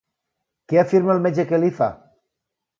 Què afirma el metge que li fa?